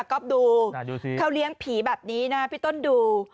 ก็ดูเขาเลี้ยงผีแบบนี้นะพี่ต้นดู